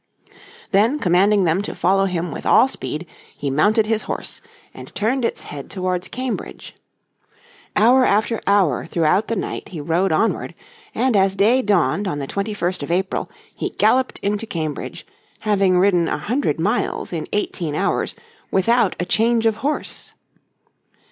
Then, commanding them to follow him with all speed, he mounted his horse, and turned its head towards Cambridge. Hour after hour throughout the night he rode onward, and as day dawned on the 21st of April he galloped into Cambridge, having ridden a hundred miles in eighteen hours without a change of horse.